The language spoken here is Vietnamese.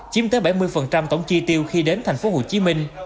chiếm tới bảy mươi tổng chi tiêu khi đến tp hcm